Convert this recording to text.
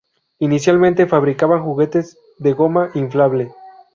Inicialmente fabricaban juguetes de goma inflable.